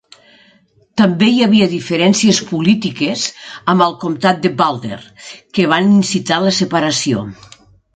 També hi havia diferències polítiques amb el comtat de Boulder, que van incitar la separació.